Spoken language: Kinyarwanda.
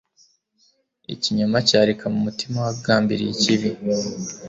Ikinyoma cyarika mu mutima w’abagambiriye ikibi